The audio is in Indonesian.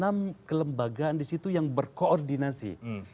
dan kelembagaan disitu yang berkoordinasi